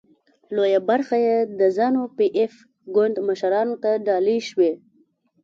لویه برخه یې د زانو پي ایف ګوند مشرانو ته ډالۍ شوې.